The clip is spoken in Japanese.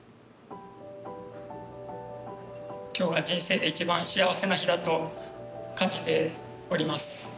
今日は人生で一番幸せな日だと感じております。